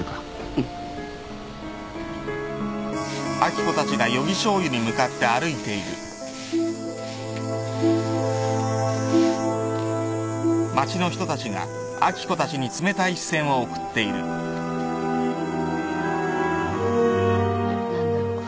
うん。何だろう。